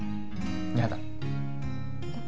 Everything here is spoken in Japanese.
やだえっ？